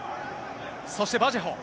そしてバジェホ。